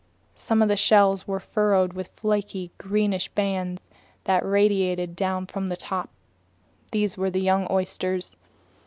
Some of these shells were furrowed with flaky, greenish bands that radiated down from the top. These were the young oysters.